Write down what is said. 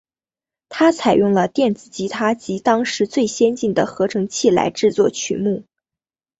它采用了电子吉他及当时最先进的合成器来制作曲目。